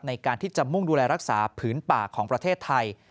ในการที่จะมุ่งดูแลรักษาผืนป่าของประเทศไทย